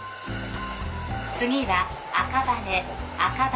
次は赤羽赤羽。